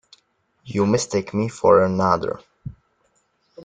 You mistake me for another.